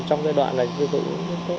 trong giai đoạn này tiêu thụ rất tốt